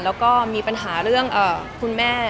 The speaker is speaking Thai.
แล้วก็มีปัญหาเรื่องคุณแม่